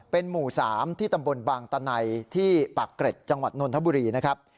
เป็นหมู่๓ที่ตำบลบางตะไนที่ปากเกร็ดจังหวัดนนทบุรีนะครับ